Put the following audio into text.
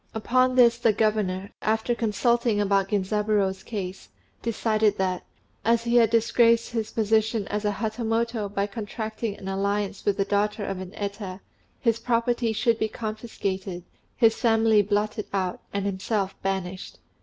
Upon this the governor, after consulting about Genzaburô's case, decided that, as he had disgraced his position as a Hatamoto by contracting an alliance with the daughter of an Eta, his property should be confiscated, his family blotted out, and himself banished.